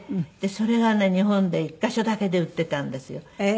それがね日本で１カ所だけで売ってたんですよ。